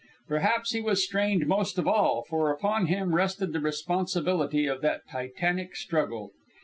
Perhaps he was strained most of all, for upon him rested the responsibility of that titanic struggle.